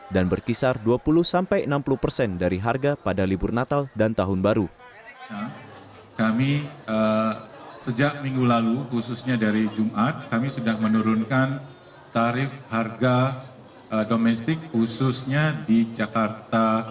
dan berkisar dua puluh enam puluh persen dari harga tiket pesawat